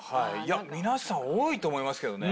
皆さん多いと思いますけどね。